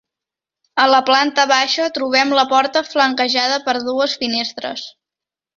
A la planta baixa trobem la porta flanquejada per dues finestres.